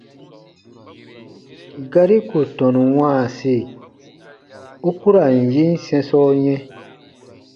Gari ku tɔnu wãasi, u ku ra n yin sɛ̃sɔ yɛ̃.